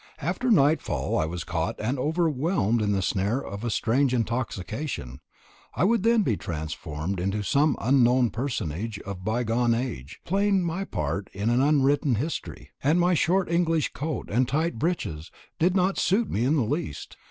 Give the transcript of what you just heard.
After nightfall I was caught and overwhelmed in the snare of a strange intoxication, I would then be transformed into some unknown personage of a bygone age, playing my part in unwritten history; and my short English coat and tight breeches did not suit me in the least.